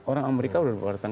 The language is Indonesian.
orang amerika udah berpengaruh